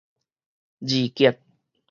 二結